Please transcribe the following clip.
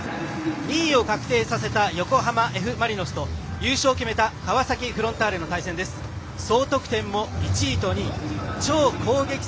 ２位を確定させた横浜Ｆ・マリノスと優勝を決めた川崎フロンターレの戦いです。